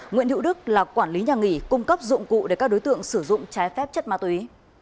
nguyễn hữu đức là quản lý nhà nghỉ cung cấp dụng cụ để các đối tượng sử dụng trái phép chất ma túy